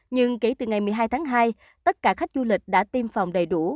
nhưng kể từ ngày một mươi hai tháng hai tất cả khách du lịch đã tiêm phòng đầy đủ